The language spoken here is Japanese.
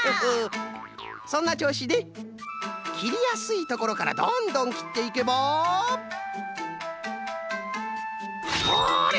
そんなちょうしできりやすいところからどんどんきっていけばほれ！